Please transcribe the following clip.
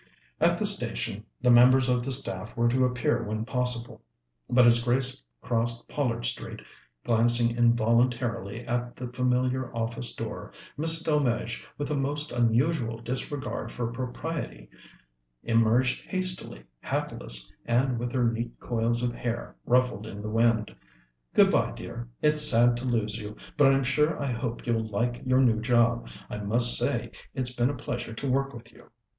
At the station the members of the staff were to appear when possible. But as Grace crossed Pollard Street, glancing involuntarily at the familiar office door, Miss Delmege, with a most unusual disregard for propriety, emerged hastily, hatless and with her neat coils of hair ruffled in the wind. "Good bye, dear. It's sad to lose you, but I'm sure I hope you'll like your new job. I must say, it's been a pleasure to work with you."